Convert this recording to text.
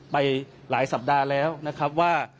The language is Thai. ไปหลายสัปดาห์แล้วนะครับว่า